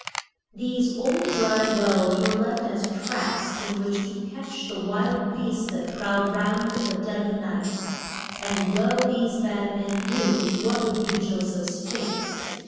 These old dry wells were left as traps in which to catch the wild beasts that prowled round in the dead of night, and well these bad men knew what would be Jo seph's fate.